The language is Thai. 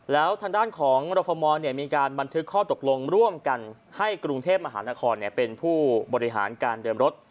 แล้วทางด้านของรฟมมีการบันทึกข้อตกลงร่วมกันให้กรุงเทพมหานครเป็นผู้บริหารการเดินรถ